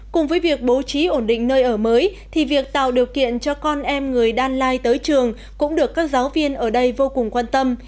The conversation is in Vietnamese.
cùng với việc bố trí ổn định nơi ở mới thì việc tạo điều kiện cho con em người đan lai tới trường cũng được các giáo viên ở đây vô cùng quan tâm